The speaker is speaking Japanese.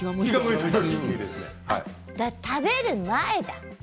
食べる前だ。